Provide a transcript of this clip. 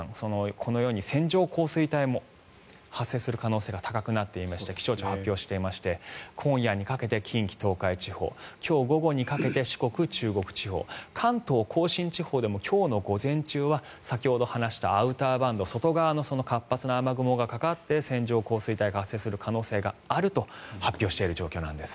このように線状降水帯も発生する可能性が高くなっていまして気象庁、発表していまして今夜にかけて近畿・東海地方今日午後にかけて四国・中国地方関東・甲信地方でも今日の午前中は先ほど話したアウターバンド外側の活発な雨雲がかかって線状降水帯が発生する可能性があると発表している状況なんです。